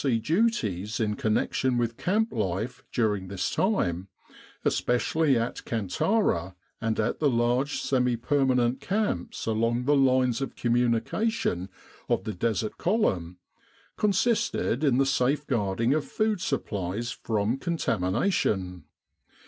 C. duties in connection with camp life during this time, especially at Kantara and at the large semi permanent camps along the lines of communication of the Desert Column, consisted in the safeguarding of food supplies from contamination.